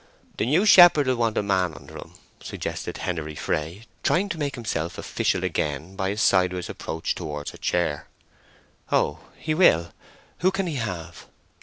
"The new shepherd will want a man under him," suggested Henery Fray, trying to make himself official again by a sideway approach towards her chair. "Oh—he will. Who can he have?"